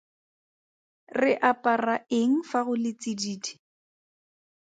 Re apara eng fa go le tsididi?